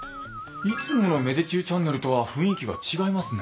いつもの芽出中チャンネルとは雰囲気が違いますね。